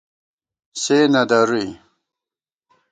سے نہ درُوئی